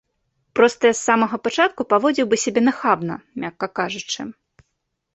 Проста я з самага пачатку паводзіў бы сябе нахабна, мякка кажучы.